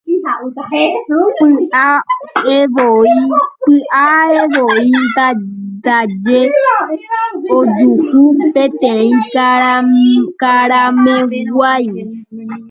Pya'evoi ndaje ojuhu peteĩ karameg̃ua'i.